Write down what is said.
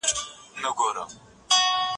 ایا موبایل زنګ وواهه؟